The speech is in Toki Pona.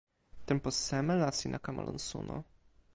tenpo seme la sina kama lon suno?